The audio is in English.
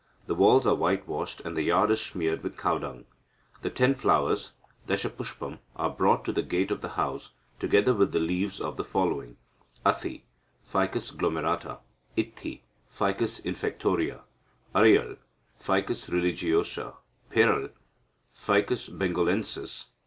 The walls are whitewashed, and the yard is smeared with cow dung. The ten flowers (dasapushpam) are brought to the gate of the house, together with leaves of the following: Athi (Ficus glomerata). Ithi (Ficus infectoria). Arayal (Ficus religiosa). Peral (Ficus bengalensis).